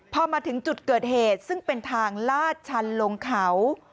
พอมาถึงจุดเกิดเหตุซึ่งเป็นทางลาดชันลงเขา